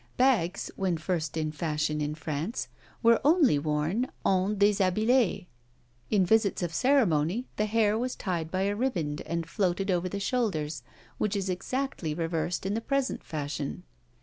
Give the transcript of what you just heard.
Bags, when first in fashion in France, were only worn en déshabillé; in visits of ceremony, the hair was tied by a riband and floated over the shoulders, which is exactly reversed in the present fashion.